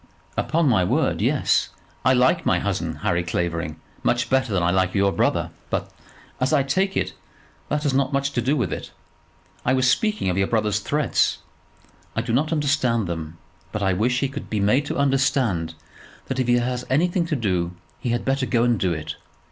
"Upon my word, yes. I like my cousin, Harry Clavering, much better than I like your brother; but, as I take it, that has not much to do with it. I was speaking of your brother's threats. I do not understand them; but I wish he could be made to understand that if he has anything to do, he had better go and do it.